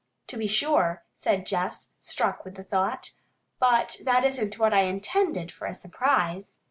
"To be sure," said Jess, struck with the thought, "but that isn't what I intended for a surprise.